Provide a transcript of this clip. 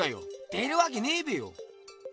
出るわけねえべよ！